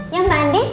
iya mbak andi